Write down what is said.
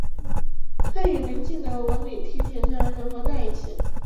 它与临近的文礼地铁站整合在一起。